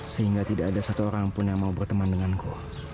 sehingga tidak ada satu orang pun yang mau berteman denganku